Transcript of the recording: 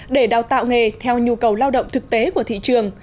để đào tạo nghề theo nhu cầu lao động thực tế của thị trường